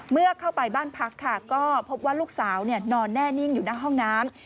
เมื่อเข้าไปบ้านพักค่ะก็พบว่าลูกสาวนอนแน่นิ่งอยู่หน้าห้องน้ำ